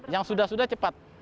yang sudah sudah cepat